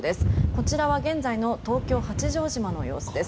こちらは現在の東京・八丈島の様子です。